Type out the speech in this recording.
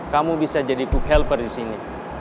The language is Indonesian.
kamu bisa jadi cook helper di sini